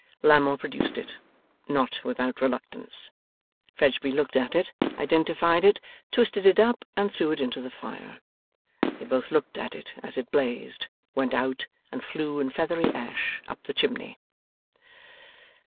Lammle produced it, not without reluctance. Fledgeby looked at it, identified it, twisted it up, and threw it into the fire. They both looked at it as it blazed, went out, and flew in feathery ash up the chimney.